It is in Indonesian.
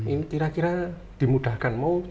ini kira kira dimudahkan